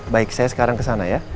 baik saya sekarang kesana ya